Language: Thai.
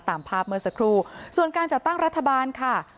ตามภาพเมื่อสักครู่ส่วนการจัดตั้งรัฐบาลค่ะ